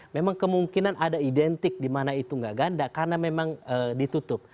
memang kemungkinan ada identik di mana itu nggak ganda karena memang ditutup